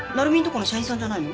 この社員さんじゃないの？